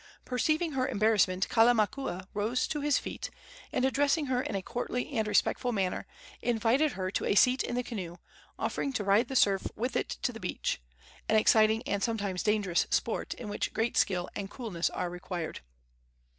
Perceiving her embarrassment, Kalamakua rose to his feet, and, addressing her in a courtly and respectful manner, invited her to a seat in the canoe, offering to ride the surf with it to the beach an exciting and sometimes dangerous sport, in which great skill and coolness are required.